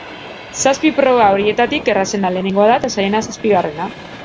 Zazpi proba horietatik errazena lehenengoa da eta zailena zazpigarrena.